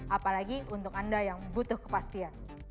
apalagi untuk anda yang butuh kepastian